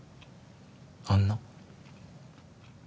「あんな」？